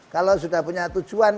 kalau sudah punya tujuan